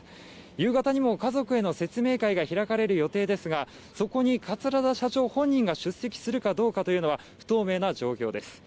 夕方にも家族への説明会が開かれる予定ですがそこに桂田社長本人が出席するかどうかというのは不透明な状況です